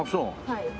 はい。